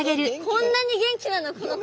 こんなに元気なの？